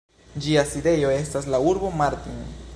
Ĝia sidejo estas la urbo Martin.